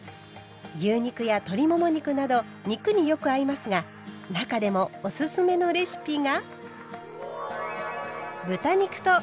牛肉や鶏もも肉など肉によく合いますが中でもおすすめのレシピが。